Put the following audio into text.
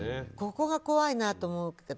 ここが怖いなと思う。